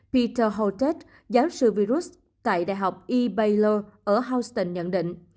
peter holtet giáo sư virus tại đại học e baylor ở houston nhận định